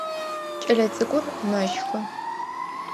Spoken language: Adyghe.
Кӏэлэцӏыкӏур мэщхы.